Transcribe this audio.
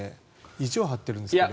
意地を張ってるんですけど。